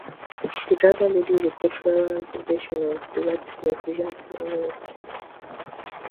The Dragon Lady is a cultural representation of white fear of Asian female sexuality.